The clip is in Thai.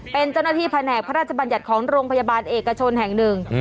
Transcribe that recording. เป็นเจ้าหน้าที่แผนกพระราชบัญญัติของโรงพยาบาลเอกชนแห่งหนึ่ง